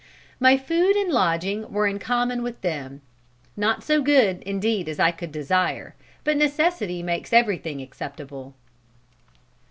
My food and lodging were in common with them. Not so good, indeed, as I could desire, but necessity makes everything acceptable."